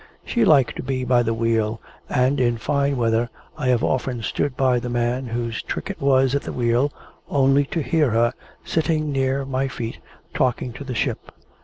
She liked to be by the wheel, and in fine weather, I have often stood by the man whose trick it was at the wheel, only to hear her, sitting near my feet, talking to the ship.